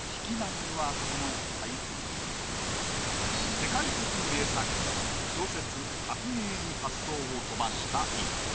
世界的名作小説「白鯨」に発想を飛ばした一句。